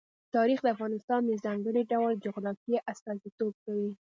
تاریخ د افغانستان د ځانګړي ډول جغرافیه استازیتوب کوي.